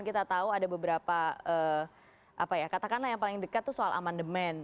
kita tahu ada beberapa katakanlah yang paling dekat itu soal aman demand